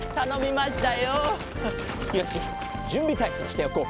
よしじゅんびたいそうしておこう。